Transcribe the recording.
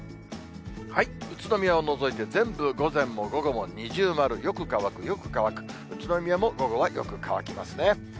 宇都宮を除いて全部午前も午後も二重丸、よく乾く、よく乾く、宇都宮も午後はよく乾きますね。